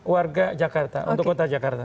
warga jakarta untuk kota jakarta